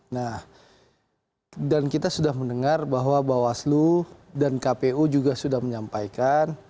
nah dan kita sudah mendengar bahwa bawaslu dan kpu juga sudah menyampaikan